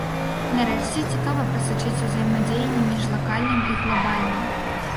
Нарэшце, цікава прасачыць узаемадзеянне між лакальным і глабальным.